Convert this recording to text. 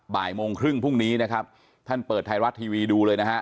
บ่ายโมงครึ่งพรุ่งนี้นะครับท่านเปิดไทยรัฐทีวีดูเลยนะฮะ